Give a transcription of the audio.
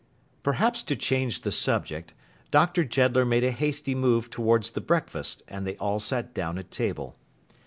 Perhaps to change the subject, Dr. Jeddler made a hasty move towards the breakfast, and they all sat down at table.